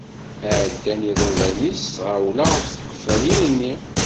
Ԑeddan yiḍudan-is s tɣawla ɣef tqeffalin-nni.